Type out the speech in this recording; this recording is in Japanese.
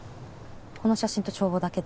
この写真と帳簿だけで。